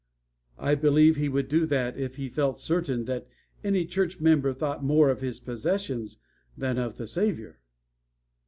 I believe He would do that if He felt certain that any church member thought more of his possessions than of the Savior.